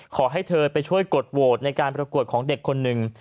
ขอให้เธอไปช่วยกดโหวตในการประกวดของเด็กคนหนึ่ง